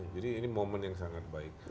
jadi ini momen yang sangat baik